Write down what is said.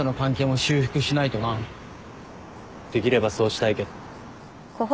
できればそうしたいけど。